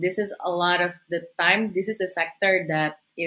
ini adalah sektor yang